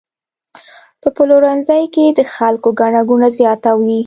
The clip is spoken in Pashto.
په پلورنځي کې د خلکو ګڼه ګوڼه زیاته وي.